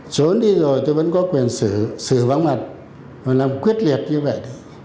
trốn đi rồi tôi vẫn có quyền xử xử vãng mặt và làm quyết liệt như vậy